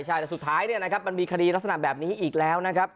ใช่แต่สุดท้ายเนี่ยนะครับมันมีคดีลักษณะแบบนี้อีกแล้วนะครับ